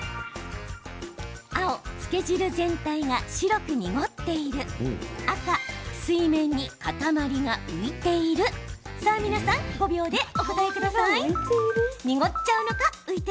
青・漬け汁全体が白く濁っている赤・水面に塊が浮いているさあ皆さん５秒でお答えください。